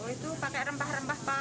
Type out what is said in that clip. itu pakai rempah rempah pak